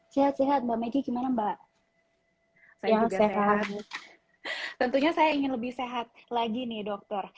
sehat sehat mbak meki gimana mbak salam sehat tentunya saya ingin lebih sehat lagi nih dokter